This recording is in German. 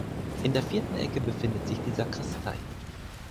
In der vierten Ecke befindet sich die Sakristei.